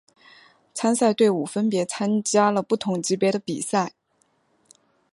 参赛队伍分别参加了不同级别的比赛。